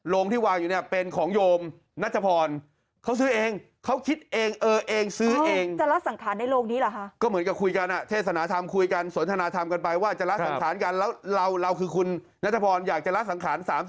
โรงที่วางอยู่เนี่ยเป็นของโยมนัชพรเขาซื้อเองเขาคิดเองเออเองซื้อเอง